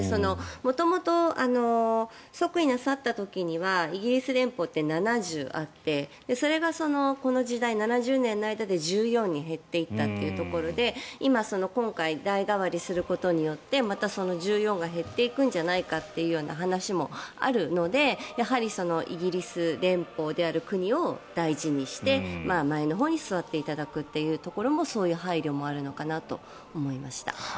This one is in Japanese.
元々、即位なさった時にはイギリス連邦って７０あってそれがこの時代７０年の間に１４に減っていったというところで今、今回代替わりすることによってまたその１４が減っていくんじゃないかという話もあるのでやはりイギリス連邦である国を大事にして前のほうに座っていただくというところもそういう配慮があるのかなと思いました。